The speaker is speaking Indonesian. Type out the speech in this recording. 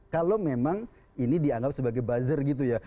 kalau memang ini dianggap sebagai buzzer gitu ya